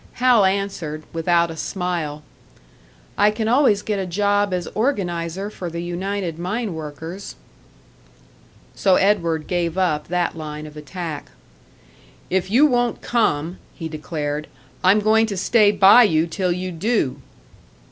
Hal answered, without a smile, "I can always get a job as organiser for the United Mine Workers." So Edward gave up that line of attack. "If you won't come," he declared, "I'm going to stay by you till you do!"